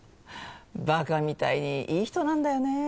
ばかみたいにいい人なんだよね。